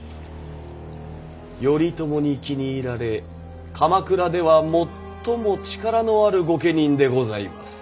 頼朝に気に入られ鎌倉では最も力のある御家人でございます。